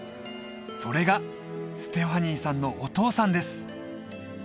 それがステファニーさんのお父さんです